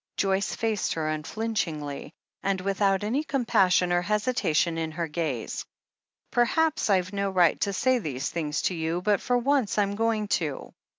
Joyce faced her unflinchingly, and without any com passion or hesitation in her gaze. "Perhaps I've no right to say these things to you, but for once I'm going to.